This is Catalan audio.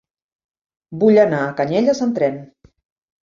Vull anar a Canyelles amb tren.